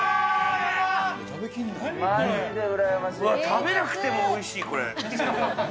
食べなくてもおいしい、これ。